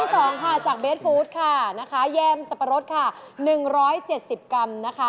ส่วนที่๒จากเบสพูดแยมสับปะรด๑๗๐กรัม